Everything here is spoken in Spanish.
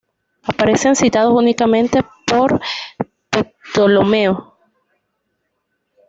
Aparecen citados únicamente por Ptolomeo.